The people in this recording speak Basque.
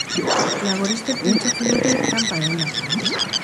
Laboristek pentsatzen dute tranpa dela.